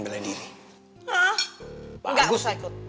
belediri ah bagus